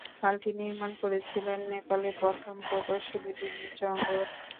খালটি নির্মাণ করেছিলেন নেপালের প্রথম প্রকৌশলী দিল্লি জঙ্গ থাপা।